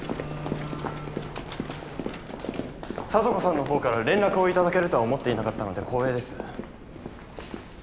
聡子さんの方から連絡を頂けるとは思っていなかったので光栄です。